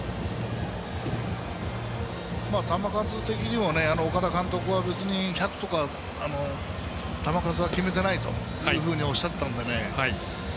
球数的にも岡田監督は別に１００とか球数は決めてないとおっしゃっていたので。